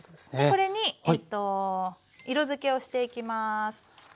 これに色づけをしていきます。